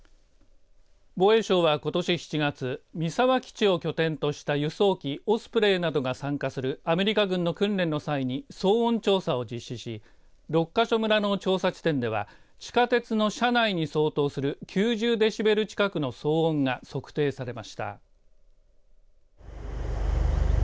防衛省は、ことし７月三沢基地を拠点とした輸送機オスプレイなどが参加するアメリカ軍の訓練の際に騒音調査を実施し六ヶ所村の調査地点では地下鉄の車内に相当する９０デシベル近くの騒音が測定されました。